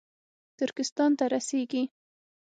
ترکستان ته رسېږي